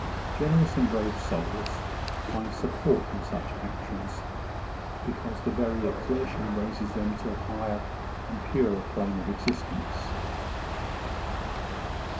Generous and brave souls find a support in such actions, because the very exertion raises them to a higher and purer plane of existence.